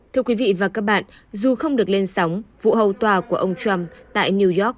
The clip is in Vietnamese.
thưa quý vị và các bạn dù không được lên sóng vụ hầu tòa của ông trump tại new york